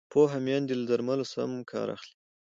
پوهه میندې له درملو سم کار اخلي۔